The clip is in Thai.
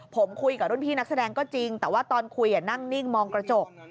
ผมคุยกับรุ่นพี่นักแสดงก็จริงแต่ว่าตอนคุยนั่งนิ่งมองกระจก